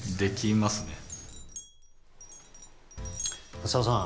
浅尾さん